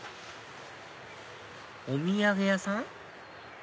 お土産屋さん？